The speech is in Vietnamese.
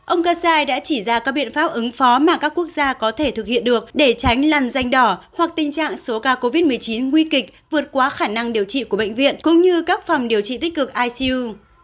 ông ghassai đã chỉ ra các biện pháp ứng phó mà các quốc gia có thể thực hiện được để tránh lằn danh đỏ hoặc tình trạng số ca covid một mươi chín nguy kịch vượt quá khả năng điều trị của bệnh viện cũng như các phòng điều trị tích cực icu